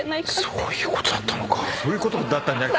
そういうことだったんじゃ。